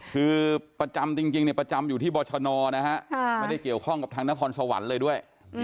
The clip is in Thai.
คือประจำจริงประจำอยู่ที่บรชนนะฮะไม่ได้เกี่ยวข้องกับทางนครสวรรค์เลยด้วย